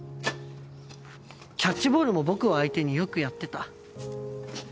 キャッチボールも僕を相手によくやってた。